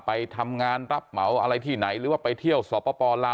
ไปทำงานรับเหมาอะไรที่ไหนหรือว่าไปเที่ยวสปลาว